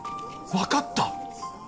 分かった！